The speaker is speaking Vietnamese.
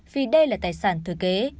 vì đây là tài sản thừa kế